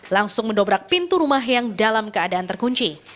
langsung mendobrak pintu rumah yang dalam keadaan terkunci